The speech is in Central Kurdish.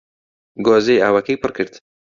گۆزەی ئاوەکەی پڕ کرد